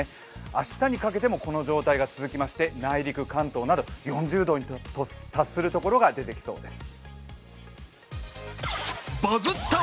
明日にかけてもこの状態が続きまして内陸、関東など４０度に達する所が出てきそうです。